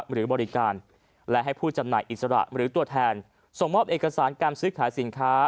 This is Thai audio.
หรือบริการและให้ผู้จำหน่ายอิสระหรือตัวแทนส่งมอบเอกสารการซื้อขายสินค้า